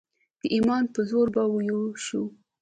د ایمان په زور به یو شو.